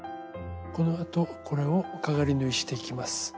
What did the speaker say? このあとこれをかがり縫いしていきます。